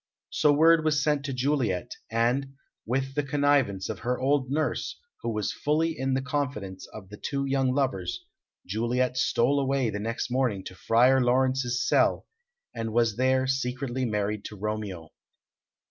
So word was sent to Juliet, and, with the connivance of her old nurse, who was fully in the confidence of the two young lovers, Juliet stole away the next morning to Friar Laurence's cell, and was there secretly married to Romeo.